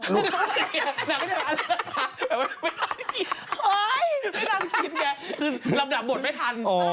เรา